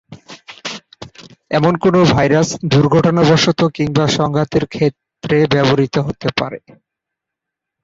এমন কোনো ভাইরাস দুর্ঘটনাবশত কিংবা সংঘাতের ক্ষেতে ব্যবহৃত হতে পারে।